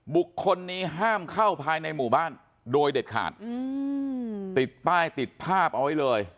บุคคลนี้ห้ามเข้าภายในหมู่บ้านโดยเด็ดขาดติดป้ายติดภาพเอาไว้เลย